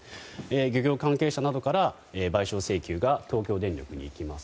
漁業関係者などから賠償請求が東京電力にいきます。